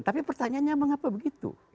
tapi pertanyaannya mengapa begitu